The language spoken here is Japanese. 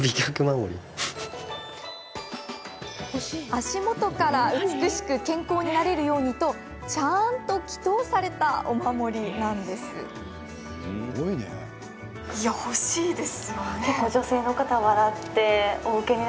足元から美しく健康になれるようにとちゃんと祈とうされたお守りなんです。